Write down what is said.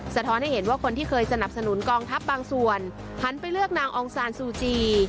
ท้อนให้เห็นว่าคนที่เคยสนับสนุนกองทัพบางส่วนหันไปเลือกนางองซานซูจี